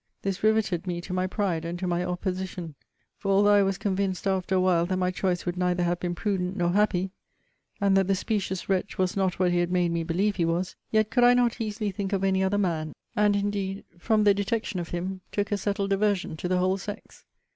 This riveted me to my pride, and to my opposition; for although I was convinced, after a while, that my choice would neither have been prudent nor happy; and that the specious wretch was not what he had made me believe he was; yet could I not easily think of any other man; and indeed, from the detection of him, took a settled aversion to the whole sex.